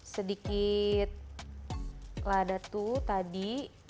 sedikit lada tu tadi